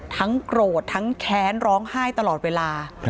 โกรธทั้งแค้นร้องไห้ตลอดเวลา